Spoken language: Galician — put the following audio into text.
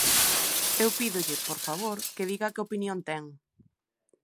Eu pídolle, por favor, que diga que opinión ten.